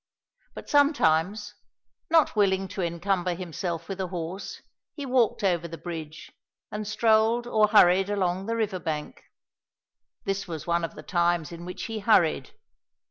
But, sometimes, not willing to encumber himself with a horse, he walked over the bridge and strolled or hurried along the river bank. This was one of the times in which he hurried.